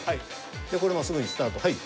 でこれもすぐにスタートはい。